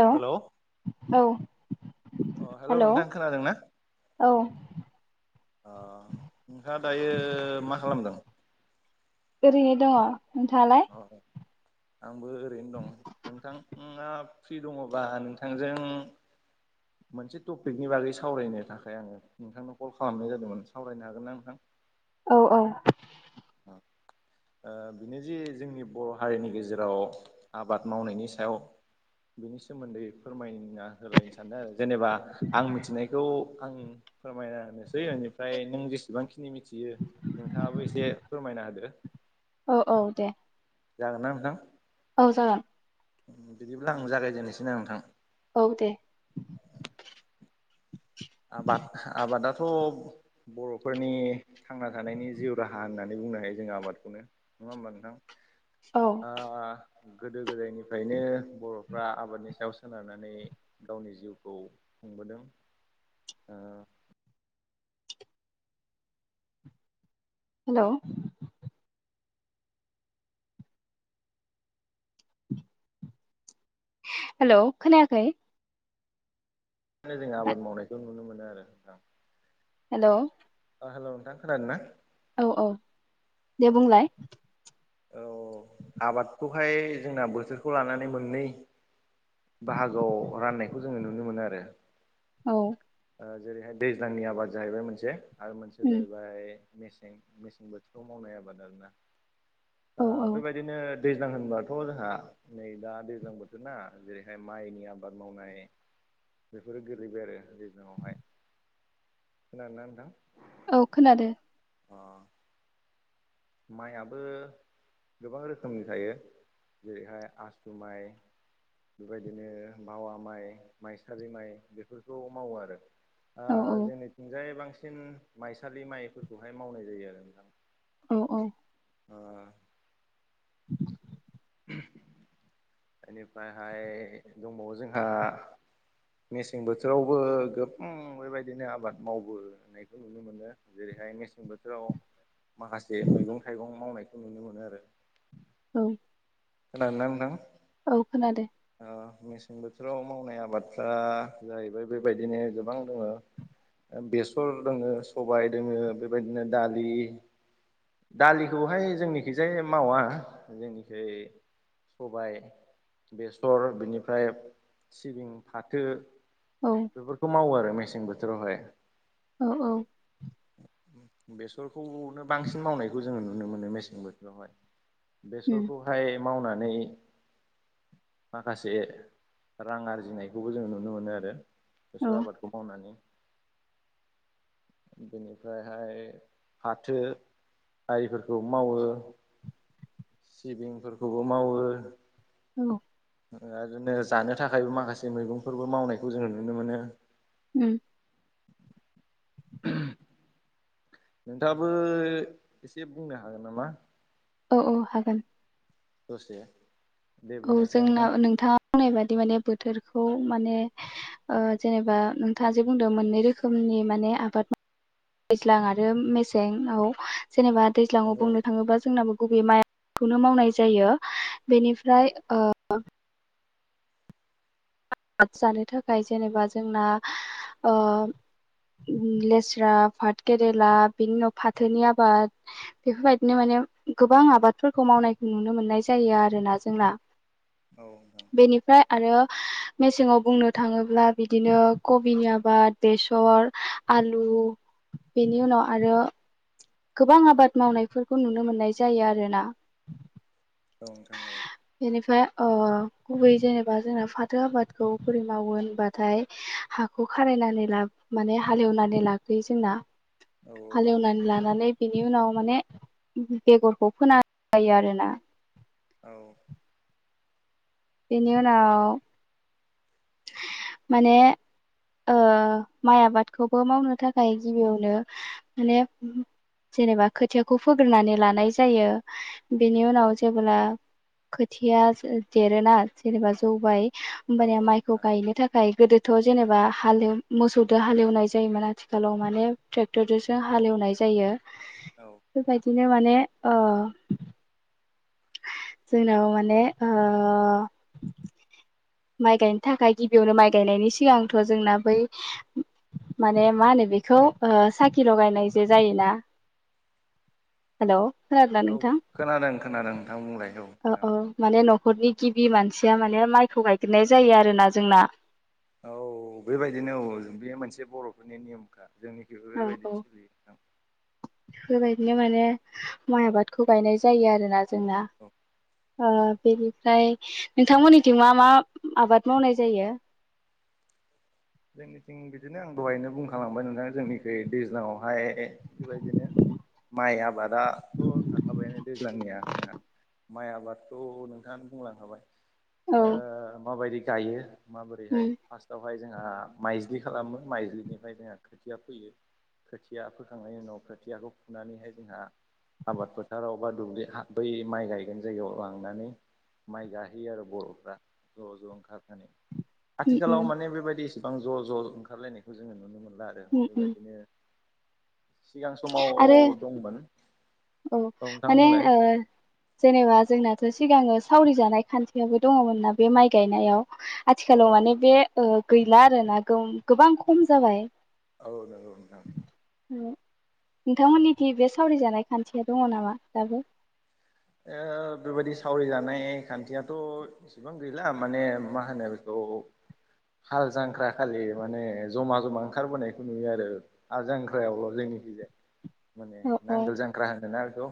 हेल' औ अ हेल' नोंथां खोनादों ना औ अ नोंहा दायो मा खालामदों ओरैनो दङ नोंथाङालाय अ आंबो ओरैनो दं नोंथाङा फ्रि दङबा नोंथांजों [inaudible] मोनसे टपिकनि बागै सावरायनो थाखाय आङो नोंथांनो कल खालामनाय जादोंमोन सावरायनो हागोन ना नोंथां औ औ अ ओ बेनो जे जोंनि बर' हारिनि गेजेराव आबाद मावनायनि सायाव बिनि सोमोन्दै फोरमायना होलायनो सानदों आरो जेनेबा आं मिथिनायखौ आं फोरमायना होनोसै बेनिफ्राय नों जेसेबांखिनि मिथियो नोंथाङाबो एसे फोरमायना होदो औ औ दे जागोन ना नोंथां औ जागोन बिदिब्ला आं जागायजेननोसै ना नोंथां औ दे आबाद आबादाथ' बर'फोरनि थांना थानायनि जिउ राहा होननानै बुंनो हायो जोङो आबादखौनो नङा होनबा नोंथां औ ओ गोदो गोदायनिफ्रायनो बर'फ्रा आबादनि सायाव सोनारनानै गावनि जिउखौ खुंबोदों ओ हेल' हेल' खोनायाखै बेखायनो जों आबाद मावनायखौ नुनो मोनो आरोना हेल' अ हेल' नोंथां खोनादों ना औ औ दे बुंलाय औ आबादखौहाय जोंना बोथोरखौ लानानै मोननै बाहागोआव राननायखौ जोङो नुनो मोनो आरो औ जेरैहाय दैज्लांनि आबाद जाहैबाय मोनसे आरो मोनसेया उम जाहैबाय मेसें मेसें बोथोराव मावनाय आबाद आरोना औ द औ बेबायदिनो दैज्लां होनबाथ' जोंहा नै दा दैज्लां बोथोर ना जेरैहाय माइनि आबाद मावनाय बेफोरो गोलैबाय आरो दैज्लांङावहाय खोनादों ना नोंथां औ खोनादों अ माइयाबो गोबां रोखोमनि थायो जेरैहाय आसु माइ बेबायदिनो मावा माइ माइसालि माइ बेफोरखौ मावो आरो औ जोंनिथिंजायै बांसिन माइसालि माइफोरखौहाय मावनाय जायो आरो नोंथां औ औ अ [inaudible] बेनिफ्रायहाय दंबावो जोंहा- मेसें बोथोरावबो गोब बेबायदिनो आबाद मावबो होननायखौ नुयो। नुनो मोनो जेरैहाय मेसें बोथोराव माखासे मैगं थाइगं मावनायखौ नुनो मोनो आरो औ- खोनादों ना नोंथां? औ खोनादों- ओ मेसें बोथोराव मावनाय आबादफ्रा जाहैबाय बेबायदिनो गोबां दङो। बेसर दोङो सबाय दङो बेबायदिनो दालि। दालिखौहाय जोंनिखजाय मावा। जोंनिखौ- सबायाइ- बेसर बेनिफ्राय सिबिं, फाथो- औ- बेफोरखौ मावो आरो मेसें बोथोरावहाय औ औ बेसरखौनो बांसिन मावनायखौ जोङो नुनो मोनो मेसें बो थोरावहाय उम बेसरखौहाय मावनानै माखासे रां आरजिनायखौबो जों नुनो मोनो आरो औ बेसर आबादखौ मावनानै। बेनिफ्रायहाय फाथो आरि फोरखौ मावो सिबिंफोरखौबो मावो औ ओ जानो थाखायबो माखासे मैगंफोरबो मावनायखौ जोङो नुनो मोनो। उम [unintelligible] नोंथाबो एसे बुंनो हागोन नामा? औ औ हागोन। दसे- दे औ बुंनायसाय जोंना नोंथां नोंथांडा़ बादि माने बोथोरखौ माने- जेनेबा नोंथाङा जे बुंदों मोननै रोखोमनि माने आबाद दैज्लां आरो मेसेंआव जेनेबा दैज्लाङाव नंगौ बुंनो थाङोबा जोंनाबो गुबै माइखौनो मावनाय जायो। बेनि फ्राय ओ आर्ट जानो थाखाय जेनेबा जोंनाओ लेस्रा पा्ाथ केरेला बिनि उनाव फाथोनि आबाद बेफोरबायदिनो माने गोबां आबादफोरखौ मावनायखौ नुनो मोननाय जायो आरोना जोंना औ औ। बेनिफ्राय आरो मेसेंआव बुंनो थाङोब्ला बिदिनो कबिनि आबाद बेसर आलु बेनि उनाव आरो गोबां आबाद मावनायफोरखौ नुनो मोननाय जायो आरोना औ नोंथां औ। बेनिफ्राय गुबैयै जेनेबा जोंना फाथो आबादखौ बोरै मावो होनबाथाय हा खौ खारायनानै ला माने हालेवनानै लाग्रयो जोंना औ हालेवनानै लानानै बिनि उनाव माने बेगरखौ फोनाय जायो आरोना औ। बेनि उनाव मानेओ माइ आबादखौबो मावनो थाखाय गिबियावनो माने जेनेबा खोथियाखौ फोग्रोनानै लानाय जायो बेनि उनाव जेब्ला खोथिया देरोना जेनेबा जौबाय औ होमबानिया औ माइखौ गायनो थाखाय गोदोथ' जेनेबा हालेवनाय मोसौजों हालेवनाय जायोमोन आथिखालाव माने ट्रेक्टरजोंजोंसो हालेवनाय जायो। औ। बेबायदिनो माने जोंनाव माने माइ गायनो थाखाय गिबियावनो माइ गायनायनि सिगांथ' जोंना बै माने मा होनो बेखौ साखि लगायनाय जे जायोना [inaudible] हेल' खला औ नोंथां। खोनादों खोनादों नोंथां बुंलायखौ औ औ औ खोनादों माने न'खरनि गिबि मानसिया माने माइखौ गायगेरनाय जायो आरोना जोंना औ बेबायदिनो औ बे मोनसे बर'फोरनि नेमखा जोंनि औ औ। बेबायदिनो माने माइ आबादखौ गायनाय जायो आरोोना जोंना औ बेनिफ्राय नोंथांमोननिथिं मा मा आबाद मावनाय जायो जोंनिथिं बिदिनो आं दहायनो बुंखालांबाय नोंथां जोंनिख दैज्लाांआवहाय बेबायदिनो माइ आबादाथ' थाखाबायानो दैज्लांनिया जोंहा माइ आबादखौ नोंथाङानो बुंलांनो हाबाय औ माबायदि गायो माबोरैहाय उम फार्स्टआवहाय जोंहा माइज्लि खालामो माइज्लिनिफ्राय जोंहा खोथिया फैयो खोथिया फोखांनायनि उनाव खोथियाखौ फुनानैहाय जोंहा आबाद फोथा राव बा दुब्लि बै माइ गायगोन जायगायाव लांनानै माइ गाहोयो आरो बर'फ्रा ज' ज' ओंखारफानो उम आथिखालाव उम माने बेबायदि इसेबां ज' ज' ओंखारलायनायखौ जोङो नुनो मोनला आरो आरो उम उम बेबायदिनो सिगां समाव आरो दंमोन औ नोंथां माने बुंलाय आ जेनेबा जोंनाथ' सिगांनो सावरि जानाय खान्थियो दङमोनना बे माइ गायनायाव औ आथिखालाव औ माने बे गैला आरोना गोबां खम जाबाय औ नंगौ नोंथां औ नोंथांमोननि दि बे सावरिजानाय खान्थिया दङ नामा दाबो बेबायाददि सावरि जानाय खान्थियाथ' इसेबां गैला माने मा होनो बेखौ हाल जांख्रा खालि माने जमा जमा ओंखारबोनायखौ नुयो आरो आरो जांख्रायावल' जोंनि गिज माने औ औ नांगोल जांख्रा होनोना बेखौ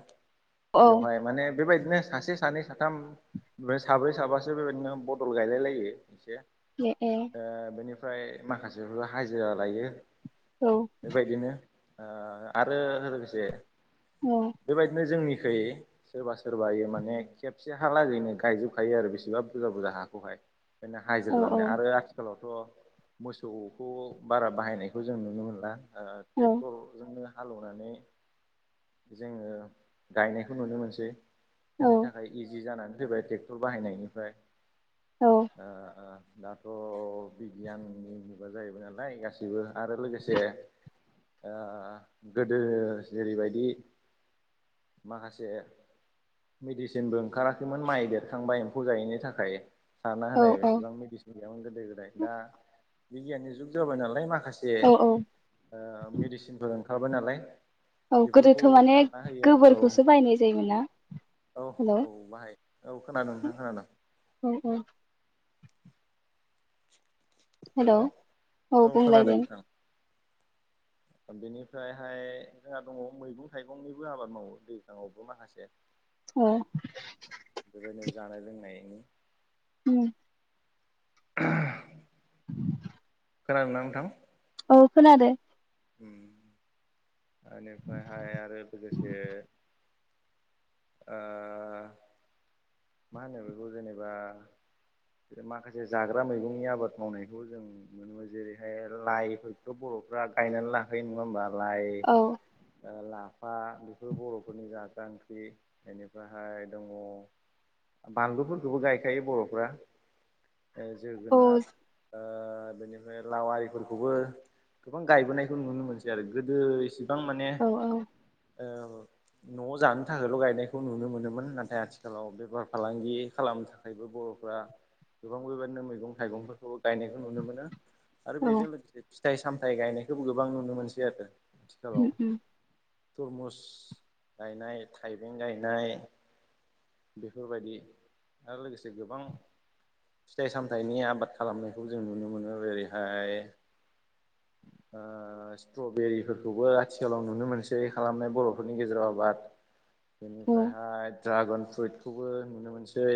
औ। बेवहाय माने बेबायदिनो सासे सानै साथाम ओमफ्राय साब्रै साबासो बेबायदिनो बदल गायलाय लायो एसे द बेनिफ्राय माखासेफ्रा हाजिरा लायो। औ बेबायदिनो आरो लोगोसे औ बेबायदिनो जोंनिखै सोरबा सोरबा इ माने खेबसे हालागैनो गायजोबखायो आरो बेसेबा बुरजा बुरजा हाखौहाय बेखायनो हाजिर औ लानो औ आरो आथिखालाव थ' मोसौखौ बारा बाहायनायखौ जों नुनो मोनला औ ट्रेक्टरजोंनो हालेवनानै जोङो गायनायखौ नुनो मोनसै बेनि औ थाखाय इजि जानानै फैबाय ट्रेक्टर बाहायनायनिफ्राय औ ओ दाथ' बिगियाननि मुगा जाहैबाय नालाय गासैबो आरो लोगोसे गोदो जेरैबायदि माखासे मेडिसिनबो ओंखाराखैमोन माइ देरखांबा एम्फौ जायैनि थाखाय। सारना औ होनाय औ एसेबां मेडिसिन गैयामोन गोदो गोदाय दा बिगियाननि जुग जाबाय नालाय माखासे। से औ औ मेडिसिनफोर ओंखारबाय नालाय। औ बेफोरखौ गोदोथ माने सारना होयो गोबोर आरो खौसो औ बायनाय जायोमोन ना औ हेल? औ बाहाय औ खोनादों नोंथां खोनादों औ औ। हेल हेलौ औ खोनादों नोंथां। बेनिफ्रायहाय जोंहा दङ मैगं थाइगंनिबो आबाद मावो दैखाङावबो माखासे। औ बेबायदिनो जानाय लोंनायनि। उम [inaudible] खोनादोंना नोंथां। औ खोनादो। उम बेनिफ्रायहाय आरो लोगोसे। ओ मा होनो बेखौ जेनेबा माखासे जाग्रा मैगंनि आबाद मावनायखौ जों। मोनो जेरैहाय लाइफोरखौथ बरफ्रा गायनानै लाखायो नङा होमबा लाइ। औ ओ-लाफा बेफोर बरफोरनि जागा ओंख्रि बेनिफायहाय दङ बानलुफोरखौबो गायखायो बरफ्रा औ जोगोनार। ओ-बेनिफ्राय लाव आरिफोरखौबो गोबां गायबोनायखौ नुनो मोनसै आरो गोदो एसे गोबां माने औ ओ-नआव जानो थाखायल गायनायखौ नुनो मोनोमोन नाथाय आथिखालाव बेफार फालांगि खालामनो थाखायबो बरफ्रा। गोबां बेबायदिनो मैगं थाइगंफोरखौबो गायनायखौ नुनो मोनो। आरो औ बेजों लोगोसे फिथाइ सामथाय गायनायखौबो गोबां नुनो मोनसै आरो आथिखालाव। उम उम तरमुस गायनाय थाइबें गायनाय। बेफोरबायदि आरो लोगोसे गोबां। फिथाइ सामथाइनि आबाद खालामनायखौ जों नुनो मोनो ओेरैहाय। ओ स्ट्रबेरिफोरखौबो आथिखालाव नुनो मोनसै खालामनाय बरफोरनि गेजेराव आबाद। औ बेनिफ्रायहाय ड्रागन फ्रुइटखौबो नुनो मोनसै।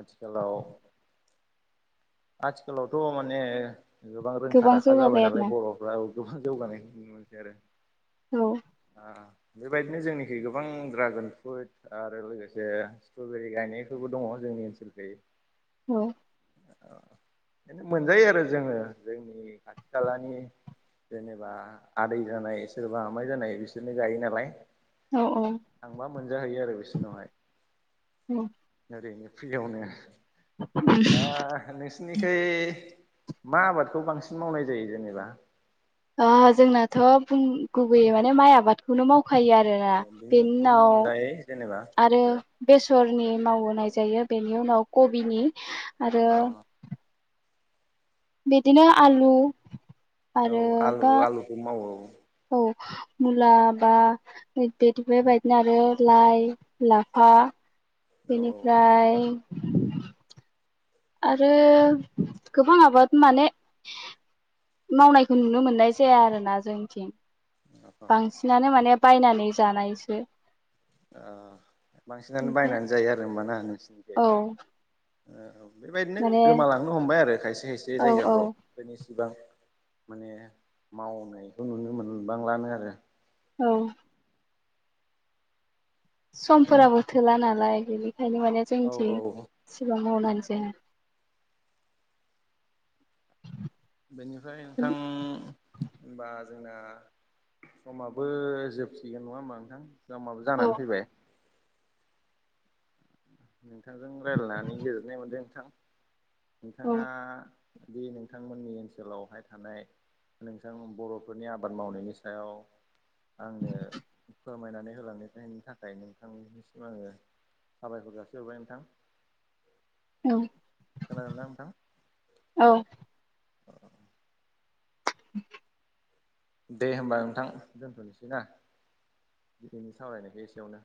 आथिखालाव आथिखालावथ माने गोबां रोंखा राखा जाबाय जौगाबाय नालाय आरोना बर फ्राबो गोबां जौगानायखौ नुनो मोनसै आरो। औ। आ-बेबायदिनो जोंनिखै गोबां ड्रागन फ्रुइट आरो लोगोसे स्ट्रबेरि गायनायफोरबो दङ जोंनि ओनसोलखै। औ। ओ बेनो मोनजायो आरो जोङो जोंनि खाथि खालानि जेनेबा आदै जानाय सोरबा आमाइ जानाय बिसोरनो गायो नालाय। औ आंबा मोनजाहैयो आरो बिसोरनावहाय। औ ओरैनो फ्रियावनो दा नोंसिनिखै मा आबादखौ बांसिन मावनाय जायो जेनेबा? आह जोंनाथ बुं गुबैयै माने माइ आबादखौनो मावखायो आ औ आरोना बिनि बेनि बिनि उनाव अनगायै जेनेबा आरो बेसरनि मावोनाय जायो बेनि उनाव कबिनि आरो अ बिदिनो आलु औ आरो आलु बा आलुखौ मावो औ औ मुला बा [unintelligible] बेबायदिनो आरो लाइ लाफा औ बेनिफ्राय आरो गोबां आबाद माने मावनायखौ नुनो मोननाय जाया आरोना जोंनिथिं। औ बांसिनानो माने बायनानै जानायसो। ओ बांसिनानो ओमफ्राय बायनानै जायो आरो होमबाना नोंसिनि औ। औ बेफोरबायदिनो माने गोमालांनो हमबाय आरो खायसे खायसे औ औ जायगाफ्राव। बेनिसेबां माने मावनायखौ नुनो मोनबांलानो आरो। औ। समफोराबो थोला नालाय बेनिखायनो माने औ जोंनिथिं औ इसिबां मावनानै जाया। बेनिफ्राय नोंथां होनबा जोंना समाबो जोबसिगोन नङा होमबा नोंथां! समाबो औ जानानै फैबाय। नोंथांजों रायलायनानै गोेजोननाय मोनदों नोंथां। औ नोंथाङा बि नोंथांमोननि ओनसोलावहाय थानाय नोंथां बर'फोरनि आबाद मावनायनि सायाव आंनो फोरमायनानै होलांनायनि थाखाय नोंथांनिसिम आङो साबायखर जासिहरबाय नोंथां। औ। खोनादोंना नोंथां? औ। [inaudible] दे होमबा नोंथां दोनथ'नोसै ना। दिनैनि सावरायनायखौ एसेयावनो।